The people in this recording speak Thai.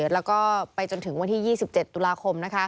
แล้วก็ไปจนถึงวันที่๒๗ตุลาคม